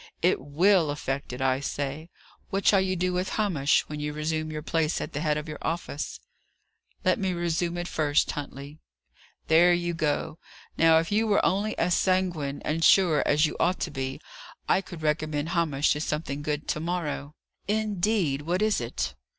It will effect it, I say. What shall you do with Hamish, when you resume your place at the head of your office?" "Let me resume it first, Huntley." "There you go! Now, if you were only as sanguine and sure as you ought to be, I could recommend Hamish to something good to morrow." "Indeed! What is it?"